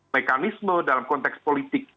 mekanisme dalam konteks politik